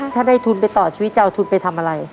ถ้าได้ทุนไปต่อชีวิตจะเอาทุนไปทำอะไร